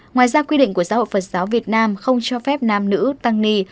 ngoài ra quy định của giáo hội phật giáo việt nam không cho phép nam nữ tăng ni